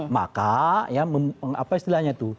maka apa istilahnya itu